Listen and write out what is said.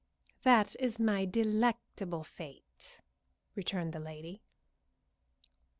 "That is my delectable fate," returned the lady.